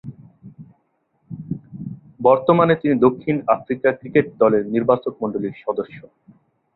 বর্তমানে তিনি দক্ষিণ আফ্রিকা ক্রিকেট দলের নির্বাচকমণ্ডলীর সদস্য।